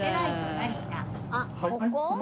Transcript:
あっここ？